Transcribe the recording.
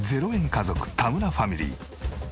家族田村ファミリー。